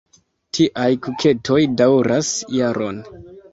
Tiaj kuketoj daŭras jaron.